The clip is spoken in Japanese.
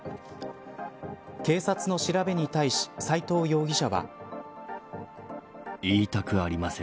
警察の調べに対し斎藤容疑者は。